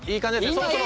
そろそろ。